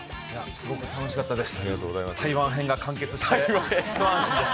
すごく楽しかったです。